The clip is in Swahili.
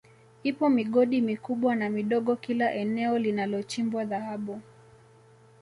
Ipo migodi mikubwa na midogo kila eneo linalochimbwa Dhahabu